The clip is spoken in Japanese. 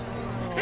え？